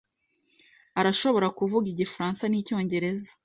arashobora kuvuga igifaransa nicyongereza.